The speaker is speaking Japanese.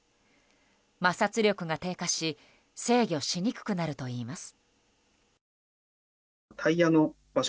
摩擦力が低下し制御しにくくなるといいます。